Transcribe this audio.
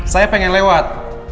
saya pengen lewat